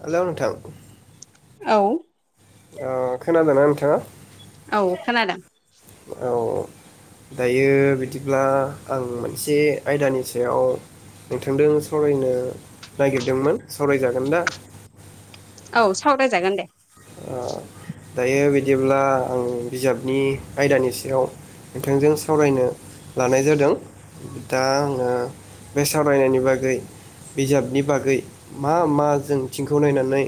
Hello नोंथां औ। ओ [unintelligible] औ खानादों। औ। दायो बिदिब्ला आं मोनसे आयदानि सायाव नोंथांजों सावरायनो नागिरदोंमोन सावराय जागोन दा। औ सावराय जागोन दे। ओ दायो बि जेब्ला आं बिजाबनि आयदानि सायाव नोंथांजों सावरायनो लानाय जादों दा आङो बे सावरायनायनि बागै बिजाबनि बागै मा मा जोंथिंखौ नायनानै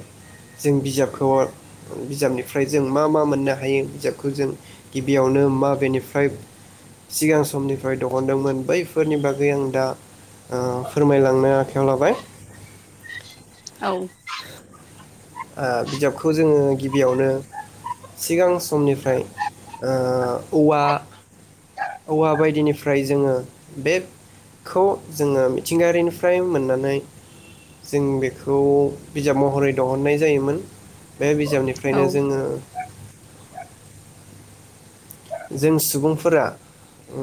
जों बिजाबखौ बिजाबनिफ्राय जों मा मा मोननो हायो बिजाबखौ जों गिबियावनो मााबेनिफ्राय सिगां समनिफ्राय दिहनदोंमोन बैफोरनि बागै आं दा ओ फोरमायलांनो आखायाव लाबाय। औ। ओ बिजाबखौ जोङो गिबियावनो सिगां समनिफ्राय ओ औवा औवा बायदिनिफ्राय जोङो बेखौ जोङो मिथिंगायारिनिफ्राय मोननानै जों बेखौ बिजाब महरै दिहननाय जायोमोन। बे औ बिजाबनिफ्रायनो जोङो जों सुबुंफोरा ओ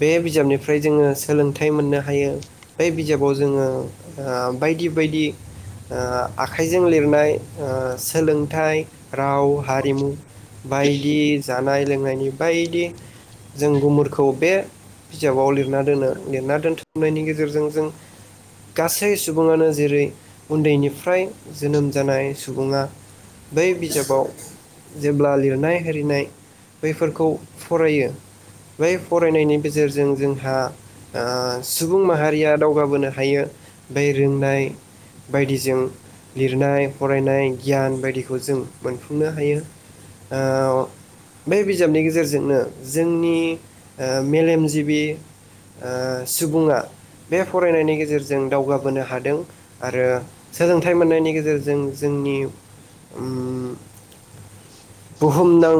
बे बिजाबनिफ्राय जोङो सोलोंथाइ मोननो हायो बे बिजाबाव जोङो ओ बायदि बायदि ओ आखाइजों लिरनाय ओ सोलोंथाइ राव हारिमु बायदि जानाय। लोंनायनि बायदि जों गुमुरखौ बे बिजाबाव लिरना दोनो लिरना दोनथुमनायनि गेजेरजों जों गासै सुबुङानो जेरै उन्दैनिफ्राय जोनोम जानाय सुबुङा बै बिजाबाव जेब्ला लिरनाय होरिनाय बैफोरखौ फरायो बै फरायनायनि गेजेरजों जोंहा ओ सुबुं माहारिया दावगाबोनो हायो बै रोंनाय बायदिजों लिरनाय फरायनाय गियान बायदिखौ जों मोनफुंनो हायो। ओ बे बिजाबनि गेजेरजोंनो जोंनि ओ मेलेमजिबि ओ सुबुङा बे फरायनायनि गेजेरजों दावगाबोनो हादों आरो सोलोंथाइ मोननायनि गेजेरजों जोंनि उम। बुहुमनां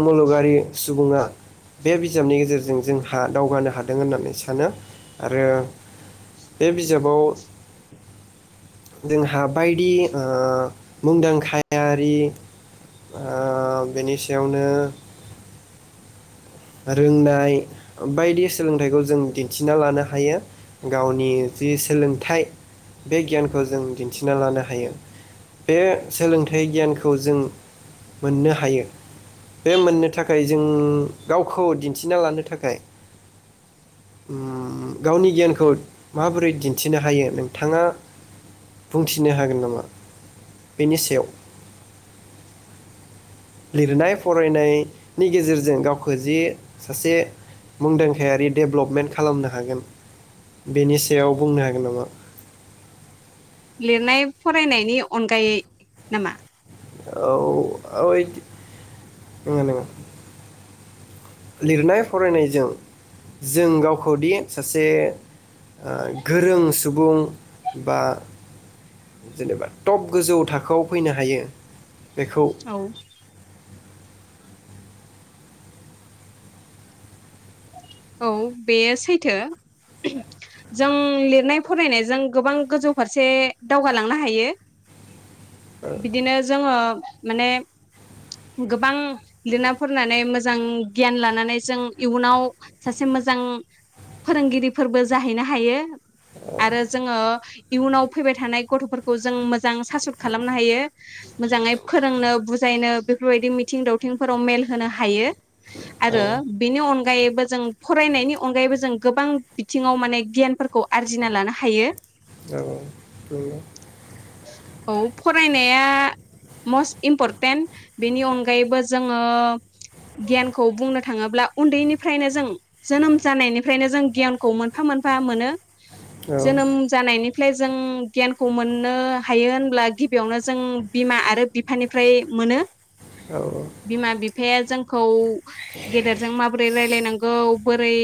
[unintelligible] यारि सुबुङा बे बिजाबनि गेजेरजों जोंहा दावगानो हादों होननानै सानो आरो बे बिजाबाव जोंहा बायदि ओ मुंदांखायारि। ओ बेनि सायावनो रोंनाय बायदि सोलोंथाइखौ जों दिन्थिना लानो हायो गावनि जि सोलोंथाइ बे गियानखौ जों दिन्थिना लानो हायो बे सोलोंथाइ गियानखौ जों मोननो हायो बे मोननो थाखाय जों गावखौ दिन्थिना लानो थाखाय उम गावनि गियानखौ माबोरै दिन्थिनो हायो नोंथाङा बुंथिनो हागोन नामा बेनि सायाव लिरनाय फरायनायनि गेजेरजों गावखौ जि सासे मुंदांखायारि डेभलपमेन्ट खालामनो हागोन बेनि सायाव बुंनो हागोन नामा? लिरनाय फरायनायनि अनगायै नामा? औ [unintelligible] नोंगो लिरनाय फरायनायजों जों गावखौदि सासे ओ गोरों सुबुं बा जेनेबा टप गोजौ थाखोयाव फैनो हायो बेखौ औ औ बेयो सैथो जों लिरनाय फरायनायजों गोबां गोजौ फारसे दावगालांनो हायो। बिदिनो जोङो। माने गोबां लिरना फनानै मोजां गियान लानानै जों इयुनाव सासे मोजां फोरोंगिरिफोरबो जाहैनो हायो आरो जोङो इयुनाव फैबाय थानाय गथ'फोरखौ जों मोजां सासुट खालामनो हायो मोजाङै फोरोंनो बुजायनो बेफोरबायदि मिथिं दावथिंफोराव मेल होनो हायो औ आरो बेनि अनगायैबो जों फरायनायनि अनगायैबो जों गोबां बिथिङाव माने गियानफोरखौ आरजिना लानो हायो औ औ फरायनाया मस्ट इम्परटेन्ट बेनि अनगायैबो जोङो गियानखौ बुंनो थाङोब्ला उन्दैनिफ्रायनो जों जोनोम जानायनिफ्रायनो जों गियानखौ मोनफा मोनफा मोनो जोनोम जानायनि फ्ले जों गियानखौ मोननो हायो होनब्ला गिबियावनो जों बिमा आरो बिफानिफ्राय मोनो औ बिमा बिफाया जोंखौ गेदेरजों माबोरै रायजलायनांगौ। बोरै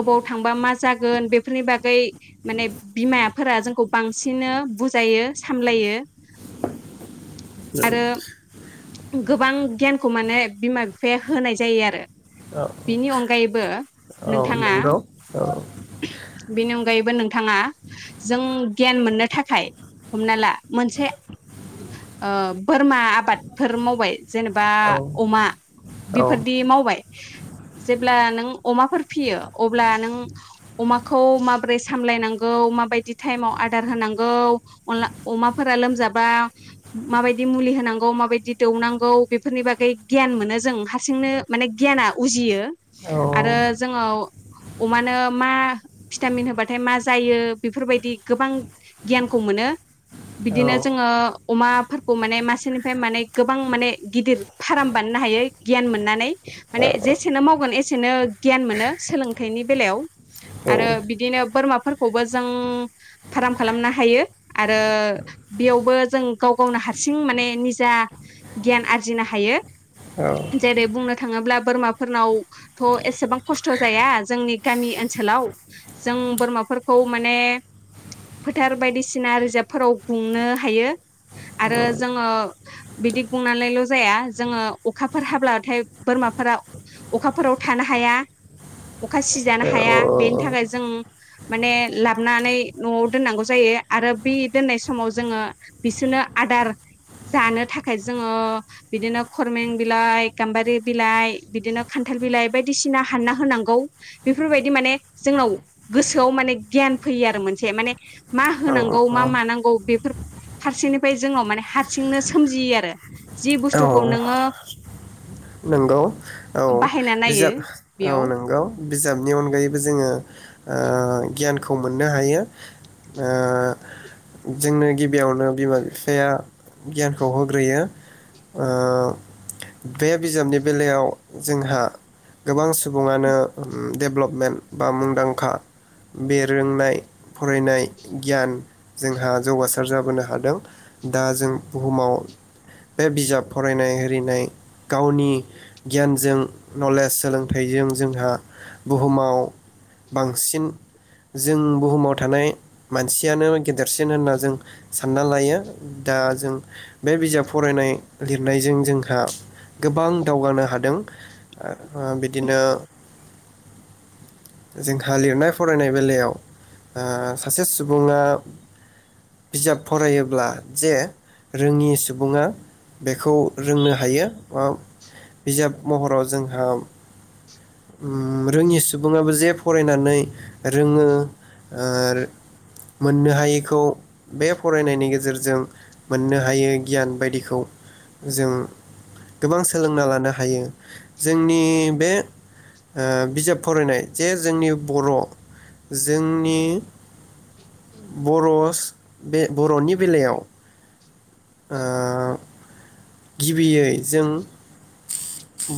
अबाव थांबा मा जागोन बेफोरनि बागै माने बिमाफोरा जोंखौ बांसिनै बुजायो सामलायो औ आरो गोबां गियानखौ माने बिमा बिफाया होनाय जायो आरो औ बिनि अनगा गायबो औ नोंथाङा नंगौ औ बेनि अनगायैबो नोंथाङा जों गियान मोननो थाखाय हमना ला मोनसे बोरमा आबादफोर मावबाय जेनेबा औ अमा औ बेफोरदि मावबाय। जेब्ला नों अमाफोर फियो अब्ला नों अमाखौ माबोरै सामलायनांगौ माबायदि टाइमाव आदार होनांगौ अनला अमाफोरा लोमजाबा माबायदि मुलि होनांगौ माबायदि दौनांगौ बेफोरनि बागै गियान मोनो जों हारसिंनो माने गियाना उजियो औ आरो जोङो अमानो मा भिटामिन होबाथाय मा जायो बेफोरबायदि गोबां गियानखौ मोनो बिदिनो जोङो अमाफोरखौ माने मासेनिफ्राय माने गोबां माने गिदिर फार्म बानायनो हायो गियान मोननानै माने जेसेनो माव गुबुन एसेनो गियान मोनो सोलोंथाइनि बेलायाव आरो बिदिनो बोरमाफोरखौबो जों फार्म खालामनो हायो आरो बेयावबो जों गाव गावनो हारसिं माने निजा गियान आरजिनो हायो। औ जरै बुंनो थाङोब्ला बोरमाफोरनाव थ' एसेबां खस्थ' जाया जोंनि गामि ओनसोलाव जों बोरमाफोरखौ माने फोथार बायदिसिना रिजाब्फोराव गुंनो हायो आरो जोङो बिदि गुंनानैल' जाया जोङो अखाफोर हाब्लाथाय बोरमाफोरा अखाफोराव थानो हाया अखा सिजानो हाया बेनि थाखाय जों माने लाबोनानै न'आव दोननांगौ जायो आरो बे दोननाय समाव जोङो बिसोरनो आदार जानो थाखाय जोङो बिदिनो खरमें बिलाइ गाम्बारि बिलाइ बिदिनो खान्थाल बिलाइ बायदिसिना हानना होनांगौ बेफोरबायदि माने जोंनाव गोसोआव माने गियान फैयो आरो मोनसे माने मा होनांगौ मा औ मानांगौ बेफोर फारसेंनिफ्राय जोङनो माने हारसिंनो सोमजियो आरो जि बुस्थुखौ नोङो नोंगौ औ बाहायना नायो बिजाब औ बेयाव नंगौ बिजाबनि अनगायैबो जोङो। गियानखौ मोननो हायो जोंनो गिबियावनो बिमा बिफाया गियानखौ होग्रोयो। बे बिजाबनि बेलायाव जोंहा गोबां सुबुङानो दडेभ्लपमेन्ट बा मुंदांखा बे रोंनाय फरायनाय गियान जोंहा जौगासार जाबोनो हादों दा जों बुहुमाव बे बिजाब फरायनाय आरिनाय। गावनि गियानजों नलेज सोलोंथाइजों जोंहा बुहुमाव बांसिन जों बुहुमाव थानाय मानसियानो गेदेरसिन होनना जों सानना लायो दा जों बे बिजाब फरायनाय लिरनायजों जोंहा गोबां दावगानो हादों। आ बिदिनो जोंहा लिरनाय फरायनाय बेलायाव आ सासे सुबुङा बिजाब फरायोब्ला जे रोङि सुबुङा बेखौ रोंनो हायो बा बिजाब महराव जोंहा उम रोङि सुबुं बुङाबो जे फरायनानै रोङो ओ मोननो हायैखौ बे फरायनायनि गेजेरजों मोननो हायै गियान बायदिखौ जों गोबां सोलोंना लानो हायो जोंनि बे ओ बिजाब फरायनाय जे जोंनि बर' जोंनि बरस बे बर'नि बेलायाव ओ गिबियै जों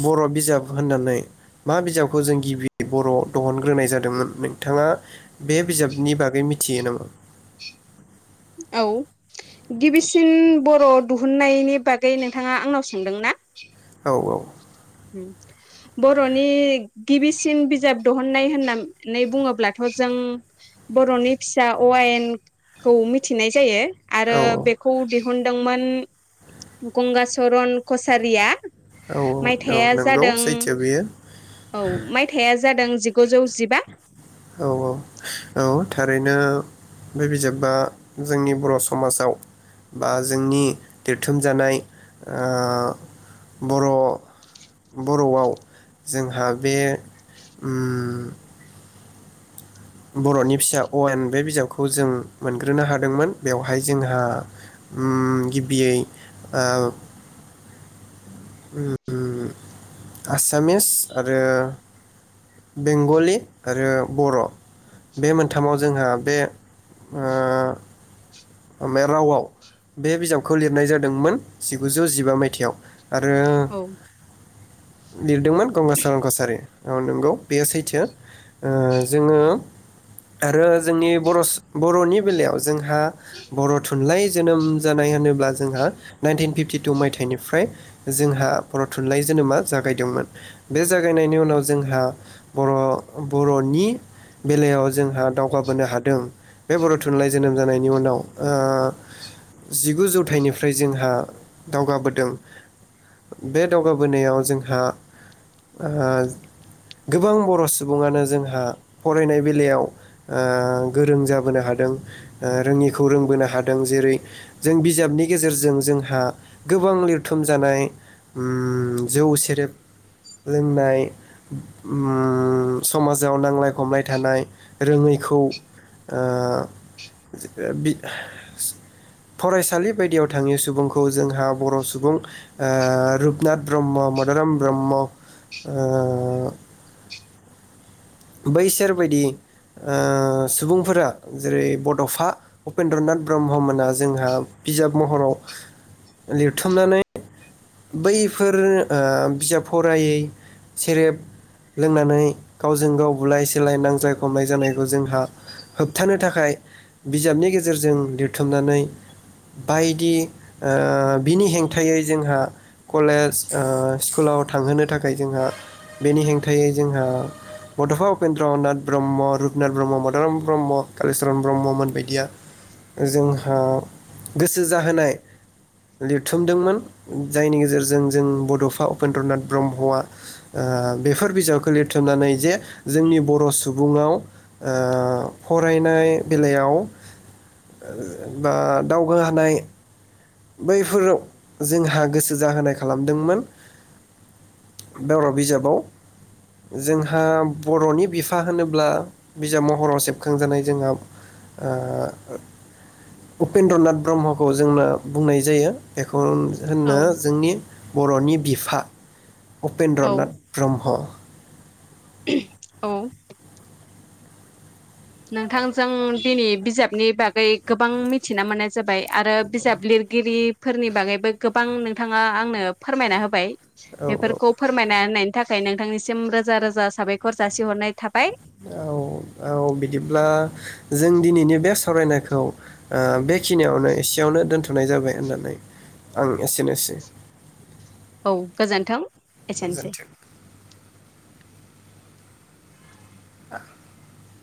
बर' बिजाब होननानै मा बिजाबखौ जों गिबियै बर' दिहुनग्रोनाय जादोंमोन नोंथाङा बे बिजाबनि बागै मिथियो नामा? औ गिबिसिन बर' दिहुननायनि बागै नोंथाङा आंनाव सोंदों ना? औ औ उम बर'नि गिबिसिन बिजाब दिहुननाय होननानै बुङोब्लाथ' जों बर'नि फिसा अवायेन खौ मिथिनाय जायो। औ आरो बेखौ दि हुनदोंमोन गंगचरन कसारिया। औ औ मायथाइया नंगौ जादों सैथो बेयो औ माइथाइया जादों जिगुजौ जिबा। औ औ औ थारैनो बे बिजाबा जोंनि बर' समाजाव बा जोंनि देरथोमजानाय आ बर' बर'आव जोंहा बे उम बर'नि फिसा अ' आयेन बे बिजाबखौ जों मोनग्रोनो हादोंमोन बेवहाय जोंहा उम गिबियै ओ उम। आसामिस आरो बेंगलि आरो बर' बे मोनथामाव जोंहा बे ओ अ मा रावआव बे बिजाबखौ लिरनाय जादोंमोन जिगुजौ जिबा मायथाइयाव। आरो औ लिरदोंमोन गंगचरन कसारि औ नंगौ बेयो सैथो ओ जोङो आरो जोंनि बर' बर'नि बेलायाव जोंहा बर' थुनलाइ जोनोम जानाय होनोब्ला जोंहा नाइनटिन फिफ्टिटु मायथाइनिफ्राय जोंहा बर' थुनलाइ जोनोमा जागायदोंमोन बे जागायनायनि उनाव जोंहा बर' बर'नि बेलायाव जोंहा दावगाबोनो हादों बे बर' थुनलाइ जोनोम जानायनि उनाव ओ जिगु जौथाइनिफ्राय जोंहा दावगाबोदों। बे दावगाबोनायाव जोंहा आह गोबां बर' सुबुङानो जोंहा फरायनाय बेलायाव ओ गोरों जाबोनो हादों ओ रोङि खौ रोंबोनो हादों जेरै जों बिजाबनि गेजेरजों जोंहा गोबां लिरथुम जानाय उम जौ सेरेब लोंनाय उम समाजाव नांलाय खमलाय थानाय रोङैखौ ओ ओ बि फरायसालि बायदियाव थाङैयाव सुबुंखौ जोंहा बर' सुबुं ओ रुपनाथ ब्रह्म मदाराम ब्रह्म ओ बैसोरबायदि ओ सुबुंफोरा जेरै बड'फा उपेन्द्रनाथ ब्रह्ममोना जोंहा बिजाब महराव लिरथुमनानै बैफोर ओ बिजाब फरायै सेरेब लोंनानै गावजों गाव बुलाय सोलाय नांज्लाय खमलाय जानायखौ जोंहा होबथानो थाखाय बिजाबनि गेजेरजों लिरथुमनानै बायदि ओ बिनि हेंथायै जोंहा कलेज ओ स्कुलाव थांहोनो थाखाय जोंहा बेनि हेंथायै जोंहा बड'फा उपेन्द्रनाथ ब्रह्म रुपनाथ ब्रह्म मदराम ब्रह्म कालिचरन ब्रह्ममोन बायदिया जों ओ गोसो जाहोनाय लिरथुमदोंमोन। जायनि गेजेरजों जों बड'फा उपेन्द्रनाथ ब्रह्मआ ओ बेफोर बिजाबखौ लिरथुमनानै जे जोंनि बर' सुबुंआव ओ फरायनाय बेलायाव बा दावगा होनाय बैफोराव जोंहा गोसो जाहोनाय खालामदोंमोन बर' बिजाबाव जोंहा बर'नि बिफा होनोब्ला बिजाब महराव सेबखांजानाय जोंहा आ उपेन्द्रनाथ ब्रह्मखौ जोंनो बुंनाय जायो। एखौ औ होनो जोंनि बर'नि बिफा। उपेन्द्रनाथ औ ब्रह्म। औ। नोंथांजों दिनै बिजाबनि बागै गोबां मिथिना मोननाय जाबाय। आरो बिजाब लिरगिरि फोरनि बागैबो गोबां नोंथाङा आंनो फोरमायना होबाय। औ बेफोरखौ फोरमायना होनाय नि थाखाय नोंथांनिसिम रोजा रोजा साबायखर जासिहरनाय थाबाय। औ औ बिदिब्ला जों दिनैनि बे सावरायनायखौ ओ बेखिनियावनो एसेयावनो दोनथ'नाय जाबाय होननानै आं एसेनोसै। औ गोजोन्थों एसेनोसै। गोजोन्थों [unintelligible]